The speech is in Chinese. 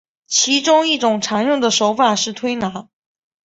其中一种常用的手法是推拿。